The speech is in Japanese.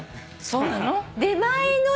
そうなの！？